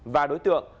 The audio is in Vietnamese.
và đối tượng